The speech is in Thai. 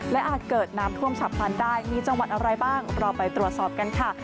และอาจเกิดน้ำท่วมฉับพลันได้มีจังหวัดอะไรบ้างเราไปตรวจสอบกันค่ะ